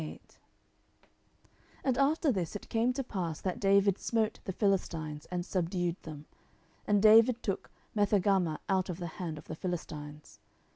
10:008:001 And after this it came to pass that David smote the Philistines, and subdued them: and David took Methegammah out of the hand of the Philistines.